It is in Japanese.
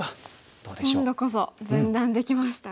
今度こそ分断できましたね。